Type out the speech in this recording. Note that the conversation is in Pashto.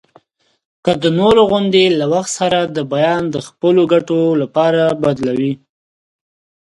که د نورو غوندي له وخت سره د بیان د خپلو ګټو لپاره بدلوي.